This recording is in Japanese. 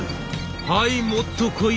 「はいもっとこいで！